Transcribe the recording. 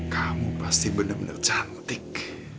kamu pasti benar benar cantik